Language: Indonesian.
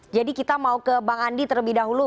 jadi kita mau ke bang andi terlebih dahulu